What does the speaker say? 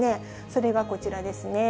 それがこちらですね。